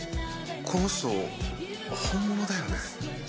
この人、本物だよね。